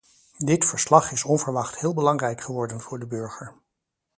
Dit verslag is onverwacht heel belangrijk geworden voor de burger.